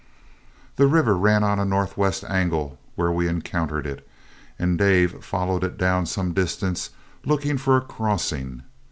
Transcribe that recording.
The river ran on a northwest angle where we encountered it, and Dave followed down it some distance looking for a crossing.